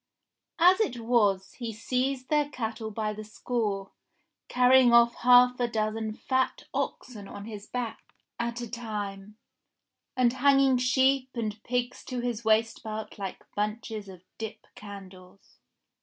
As it was, he seized their cattle by the score, carrying off half a dozen fat oxen on his back at n 78 ENGLISH FAIRY TALES a time, and hanging sheep and pigs to his waistbelt like bunches of dip candles.